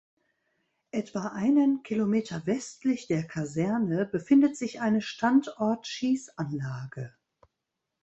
Etwa einen Kilometer westlich der Kaserne befindet sich eine Standortschießanlage.